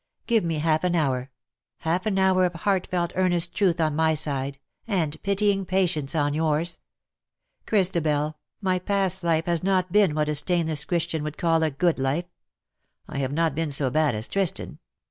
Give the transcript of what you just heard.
Give me half an hour — half an hour of heartfelt earnest truth on my side, and pitying patience on yours. Chris tabel, my past life has not been what a stainless Christian would call a good life. I have not been so bad as Tristan.